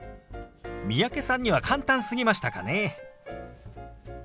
三宅さんには簡単すぎましたかね。